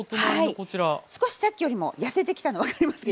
少しさっきよりも痩せてきたの分かりますか？